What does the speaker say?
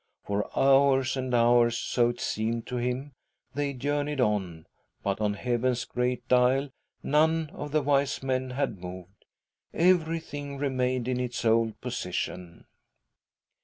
For hours and hours, so it seemed to him, they journeyed on, buf on heaven's great dial none of the Wise. Men had moved— everything remained ■ in its old position.